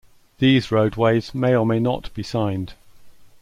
These roadways may or may not be signed.